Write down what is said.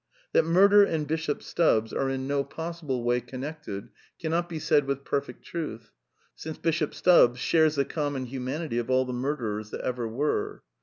That murder and Bishop Stubbs are in no possible way 196 A DEFENCE OF IDEALISM connected cannot be said with perfect truth ; since Bishop Stubbs shares the common humanity of all the murderers that ever were.